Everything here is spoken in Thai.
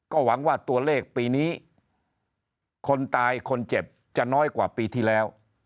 ก็หวังว่าตัวเลขปีนี้คนตายคนเจ็บจะน้อยกว่าปีที่แล้ว